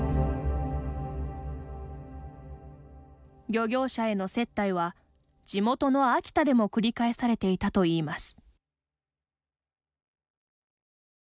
漁業者への接待は地元の秋田でも繰り返されていたといいます。